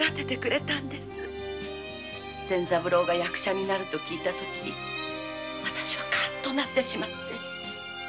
仙三郎が役者になると聞いたとき私はカッとなってしまって。